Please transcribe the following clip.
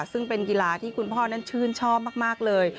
ซึ่งเป็นกีฬาที่คุณพ่อนั้นชื่นชอบมากเลย